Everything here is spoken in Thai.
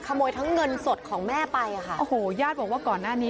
ขโมยทั้งเงินสดของแม่ไปอ่ะค่ะโอ้โหญาติบอกว่าก่อนหน้านี้